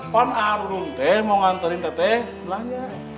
pan ardung t mau nganterin t t belanja